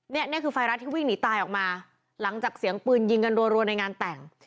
นี่คือไฟรัสที่วิ่งหนีตายออกมาหลังจากเสียงปืนยิงกันรัวในงานแต่ง